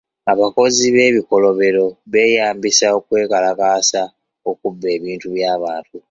Abakozi b'ebikolobero beyambisa okwekalakaasa okubba ebintu by'abantu.